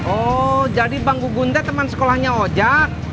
oh jadi bang gu gunde teman sekolahnya ojak